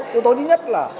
yếu tố thứ nhất là